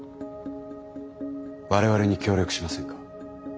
我々に協力しませんか？